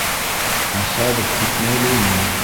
Ә хәҙер китмәй булмай.